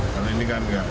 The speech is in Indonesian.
kalau ini kan enggak